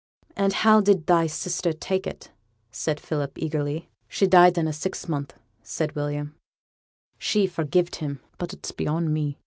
'And how did thy sister take it?' asked Philip, eagerly. 'She died in a six month,' said William; 'she forgived him, but it's beyond me.